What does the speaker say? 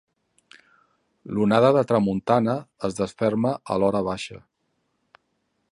L'onada de tramuntana es desferma a l'horabaixa.